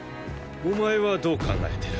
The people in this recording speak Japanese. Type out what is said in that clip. お前はどう考えてる？